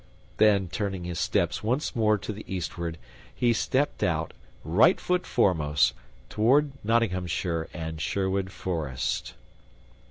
Then, turning his steps once more to the eastward, he stepped out right foot foremost toward Nottinghamshire and Sherwood Forest.